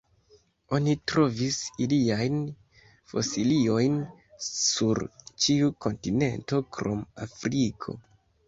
Oni trovis iliajn fosiliojn sur ĉiu kontinento krom Afriko.